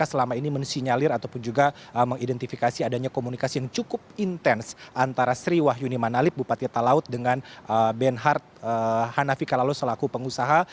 yaitu kpk selama ini menyalir ataupun juga mengidentifikasi adanya komunikasi yang cukup intens antara sri wahyuni manalip bupati talaut dengan benhart hanafi kalalo selaku pengusaha